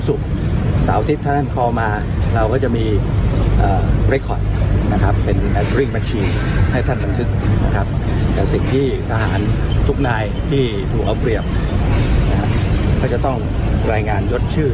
เมื่อที่นี้ก็มีคนหาเบิร์นของมีอย่างไรไปดู